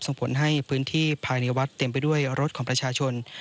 ส่งผลให้พื้นที่ภายในวัดเต็มไปด้วยรถของประชาชน